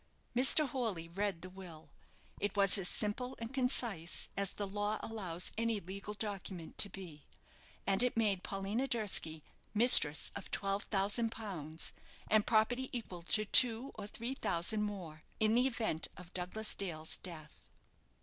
Mr. Horley read the will. It was as simple and concise as the law allows any legal document to be; and it made Paulina Durski mistress of twelve thousand pounds, and property equal to two or three thousand more, in the event of Douglas Dale's death.